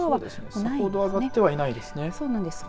それほど上がってはいないですね。